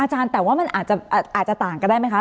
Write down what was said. อาจารย์แต่ว่ามันอาจจะต่างกันได้ไหมคะ